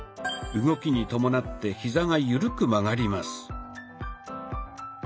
動きに伴ってヒザが緩く曲がります。